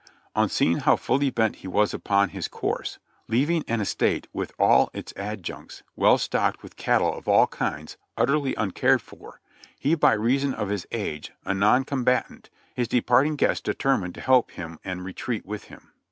On see ing how fully bent he was upon his course — leaving an estate with all its adjuncts, well stocked with cattle of all kinds, utterly uncared for, he by reason of his age a non combatant, his depart ing guests determined to help him and retreat with him.